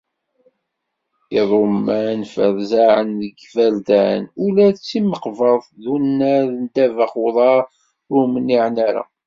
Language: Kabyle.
Iḍumman ferzaɛen deg yiberdan, ula d timeqbert d unnar n ddabex uḍar ur mniɛen ara.